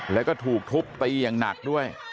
แล้วก็ถูกทุบตีอย่างหนักด้วย